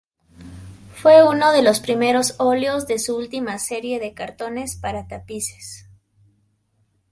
Fue uno de los primeros óleos de su última serie de cartones para tapices.